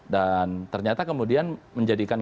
dan ternyata kemudian menjadikan